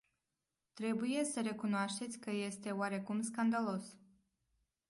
Trebuie să recunoașteți că este oarecum scandalos.